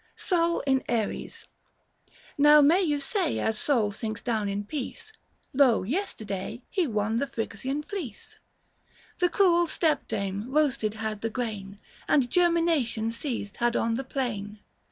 80L IN ARIES. Now may you say as Sol sinks down in peace, 910 Lo yesterday he won the Phryxian fleece. The cruel stepdame roasted had the grain, And germination ceased had on the plain.